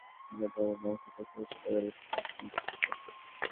হরিজন ঐক্য পরিষদের দাবি, অন্যান্য ধর্মের মানুষের পাশাপাশি তাদেরও সমান সুযোগ দিতে হবে।